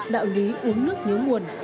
đạo lý uống nước nhớ nguồn